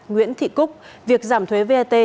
nguyễn thị cúc việc giảm thuế vat